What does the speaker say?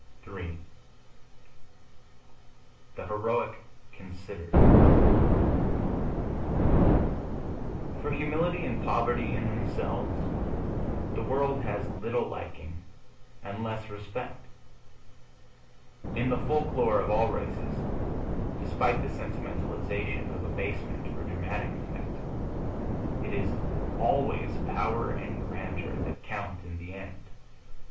III THE HEROIC CONSIDERED For humility and poverty, in themselves, the world has little liking and less respect. In the folk lore of all races, despite the sentimentalization of abasement for dramatic effect, it is always power and grandeur that count in the end.